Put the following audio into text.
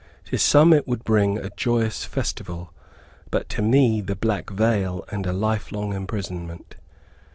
To some it would bring a joyous festival, but to me, the black veil and a life long imprisonment.